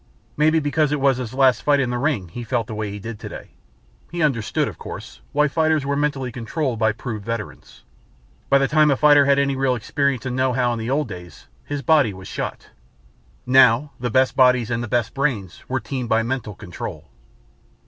Maybe because it was his last fight in the ring he felt the way he did today. He understood, of course, why fighters were mentally controlled by proved veterans. By the time a fighter had any real experience and know how in the old days, his body was shot. Now the best bodies and the best brains were teamed by mental control.